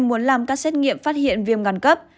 muốn làm các xét nghiệm phát hiện viêm ngằn cấp